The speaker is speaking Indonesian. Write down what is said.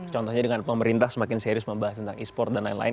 contohnya dengan pemerintah semakin serius membahas tentang e sport dan lain lain